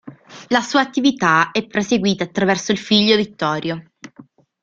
La sua attività è proseguita attraverso il figlio Vittorio.